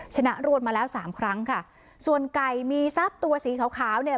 ชนะรวดมาแล้วสามครั้งค่ะส่วนไก่มีทรัพย์ตัวสีขาวขาวเนี่ย